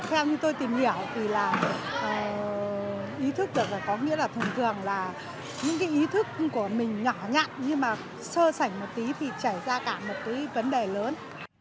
theo như tôi tìm hiểu thì là ý thức được là có nghĩa là thường thường là những cái ý thức của mình nhỏ nhặt nhưng mà sơ sảnh một tí thì chảy ra cả một cái vấn đề lớn